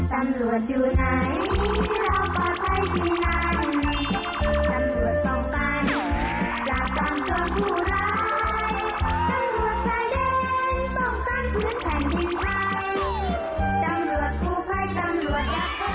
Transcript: ตำรวจครูพ่ายตำรวจอยากพอแม่จ่ายจ่อย